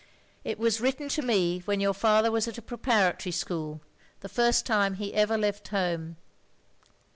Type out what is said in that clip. It was written to me when your 32 THE LONELY LADY father was at a preparatory schcx)l, the first time he ever left home."